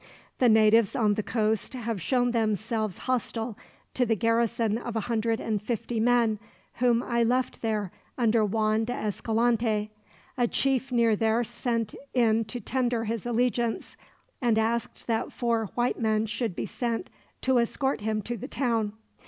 The natives on the coast have shown themselves hostile to the garrison of a hundred and fifty men, whom I left there under Juan de Escalante. A chief near there sent in to tender his allegiance, and asked that four white men should be sent to escort him to the town.